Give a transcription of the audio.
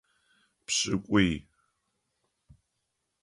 Пшӏыкӏуи.